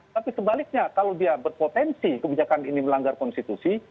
tapi sebaliknya kalau dia berpotensi kebijakan ini melanggar konstitusi